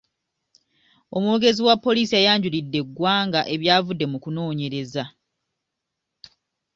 Omwogezi wa poliisi yayanjulidde eggwanga ebyavudde mu kunoonyereza.